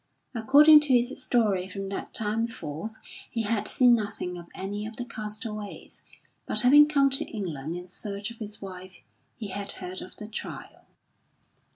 According to his story from that time forth he had seen nothing of any of the castaways; but having come to England in search of his wife he had heard of the trial.